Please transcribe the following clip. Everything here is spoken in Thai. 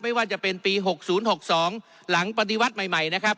ไม่ว่าจะเป็นปี๖๐๖๒หลังปฏิวัติใหม่นะครับ